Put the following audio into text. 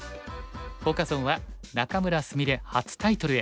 フォーカス・オンは「仲邑菫初タイトルへ！